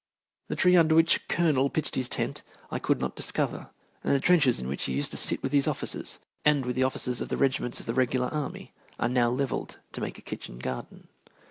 The tree under which Colonel pitched his tent I could not discover, and the trenches in which he used to sit with his officers and with the officers from the regiments of the regular army are now levelled to make a kitchen garden.